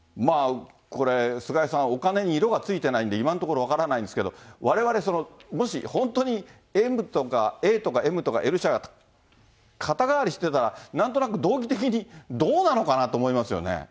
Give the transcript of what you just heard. これ、菅井さん、お金に色がついてないんで、今のところ、分からないんですけど、われわれ、もし本当にＭとかＡとか、Ｍとか、Ｌ社が肩代わりしてたら、道義的にどうなのかなと思いますよね。